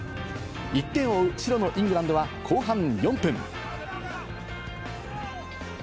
１点を追う白のイングランドは、後半４分。